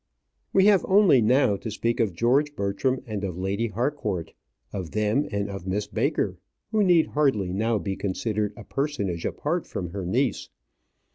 We have only now to speak of George Bertram and of Lady Harcourt of them and of Miss Baker, who need hardly now be considered a personage apart from her niece.